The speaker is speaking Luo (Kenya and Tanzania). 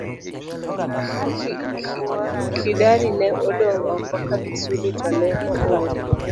Kidari ne odong' oko ka Kisuli to ne oor.